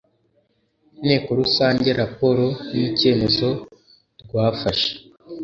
inteko rusange raporo n icyemezo rwafashe